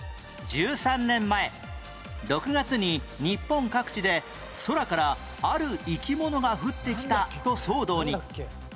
１３年前６月に日本各地で空からある生き物が降ってきたと騒動に